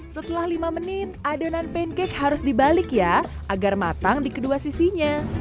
setelah lima menit adonan pancake harus dibalik ya agar matang di kedua sisinya